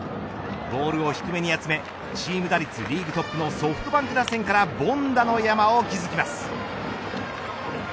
ボールを低めに集めチーム打率リーグトップのソフトバンク打線から凡打の山を築きます。